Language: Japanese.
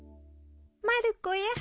・まる子や。